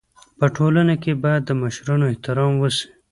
په ټولنه کي بايد د مشرانو احترام وسي.